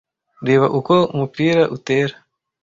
Reba uko mupira utera.